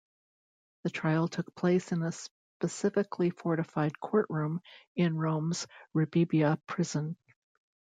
The trial took place in a specially fortified courtroom in Rome's Rebibbia prison.